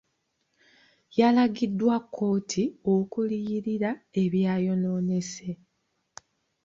Yalagiddwa kkooti okuliyirira ebyayonoonese.